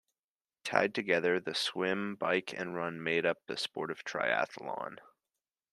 Tied together, the swim, bike and run make up the sport of triathlon.